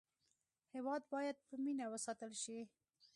هېواد باید په مینه وساتل شي.